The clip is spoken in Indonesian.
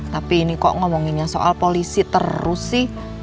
tapi ini kok ngomonginnya soal polisi terus sih